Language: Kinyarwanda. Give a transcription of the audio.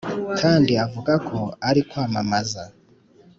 kandi vuga ko ari kwamamaza.